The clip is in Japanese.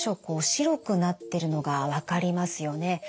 こう白くなってるのが分かりますよね？